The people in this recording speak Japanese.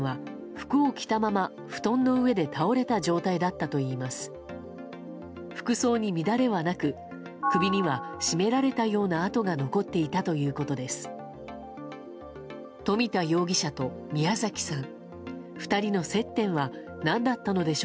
服装に乱れはなく首には絞められたような痕が残っていたということです。